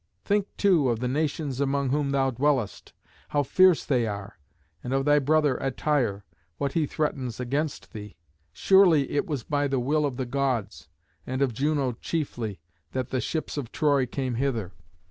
Think too of the nations among whom thou dwellest, how fierce they are, and of thy brother at Tyre, what he threatens against thee. Surely it was by the will of the Gods, and of Juno chiefly, that the ships of Troy came hither.